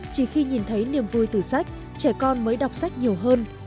chỉ khi nhìn thấy niềm vui từ sách trẻ con mới đọc sách nhiều hơn